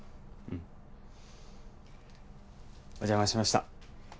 うんお邪魔しました